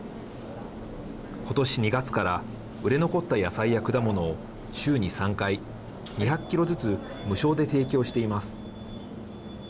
ことし２月から売れ残った野菜や果物を週に３回、２００キロずつ無償で提供しています。